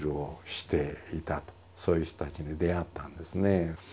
そういう人たちに出会ったんですね。